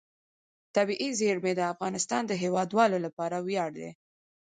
طبیعي زیرمې د افغانستان د هیوادوالو لپاره ویاړ دی.